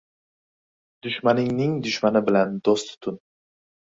— Dushmaningning dushmani bilan do‘st tutin.